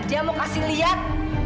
dia mau kasih lihat